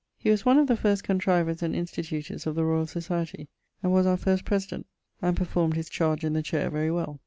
He was one of the first contrivers and institutors of the Royall Societie and was our first president, and performed his charge in the chaire very well.